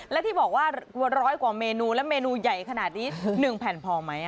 แล้วที่บอกว่าร้อยกว่าเมนูแล้วเมนูใหญ่ขนาดนี้๑แผ่นพอไหม